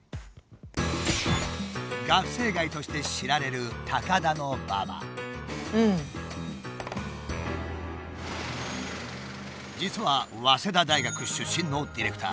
学生街として知られる実は早稲田大学出身のディレクター。